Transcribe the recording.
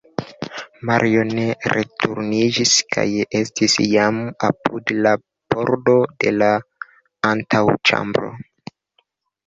Mario ne returniĝis kaj estis jam apud la pordo de la antaŭĉambro.